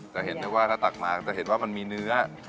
จะเห็นได้ว่าถ้าตักมาจะเห็นว่ามันมีเนื้อ